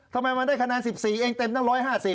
ทำไมมันได้คะแนน๑๔เองเต็มตั้ง๑๕๐